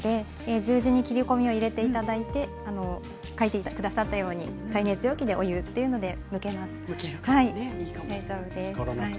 十字に切れ込みを入れていただいて書いてくださったように耐熱容器でお湯というのでむけますね。